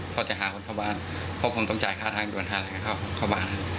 พอจะหาคนเข้าบ้านเพราะผมต้องจ่ายค่าทางด่วนทางแหละเข้าบ้าน